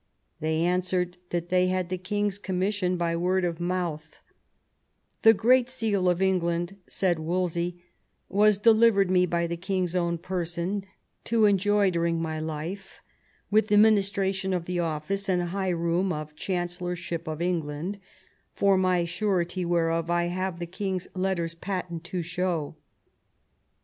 They answered that they had the king's commission by word of moutk " The great seal of England," said Wolsey, " was delivered me by the king's own person, to enjoy during my life, with the ministration of the office and high room of chancellor ship of England; for my surety whereof I have the king's letters patent to show."